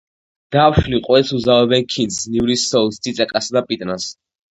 დაფშვნილ ყველს უზავებენ ქინძს, ნივრის სოუსს, წიწაკასა და პიტნას.